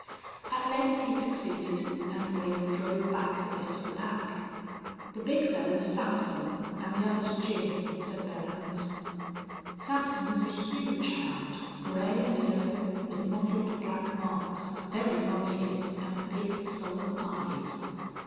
At length he succeeded, and Wade drove back the rest of the pack. "The big fellar's Sampson an' the other's Jim," said Belllounds. Sampson was a huge hound, gray and yellow, with mottled black marks, very long ears, and big, solemn eyes.